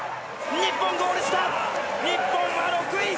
日本は６位。